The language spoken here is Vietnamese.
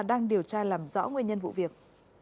đang điều tra làm rõ nguyên nhân vụ việc